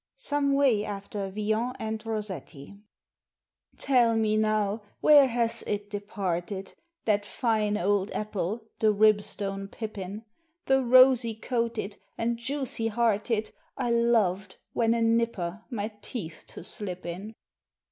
(Some Way after Villon and Rossetti.) Tell me, now, where has it departed, That fine old apple, the Ribstone Pippin, The rosy coated, and juicy hearted, I loved, when a "nipper," my teeth to slip in?